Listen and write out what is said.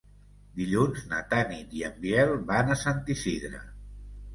Dilluns na Tanit i en Biel van a Sant Isidre.